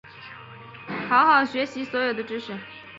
好好学习所有的知识